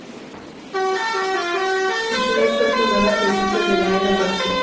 La ciudad fue fundada a principios de la era Tracia.